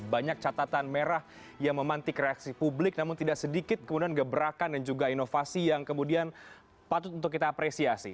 banyak catatan merah yang memantik reaksi publik namun tidak sedikit kemudian gebrakan dan juga inovasi yang kemudian patut untuk kita apresiasi